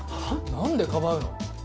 何でかばうの？